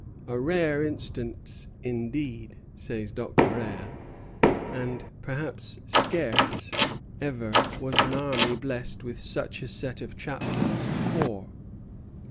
"A rare instance indeed," says Dr. Rea, "and perhaps scarce ever was an army blessed with such a set of chaplains before."